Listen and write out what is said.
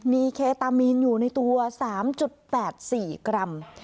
มีเคตามีนอยู่ในตัว๓๘๔กรัม